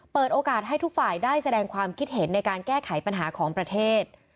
เปิดโอกาสให้ทุกฝ่ายได้แสดงความคิดเห็นในการแก้ไขปัญหาของประเทศ